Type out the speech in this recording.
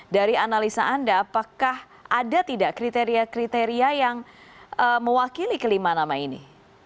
dari analisa anda apakah ada tidak kriteria kriteria yang mewakili kelima nama ini